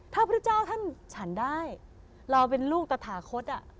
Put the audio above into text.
ถ้าพระเจ้าท่านฉันได้เราเป็นลูกตะถาคต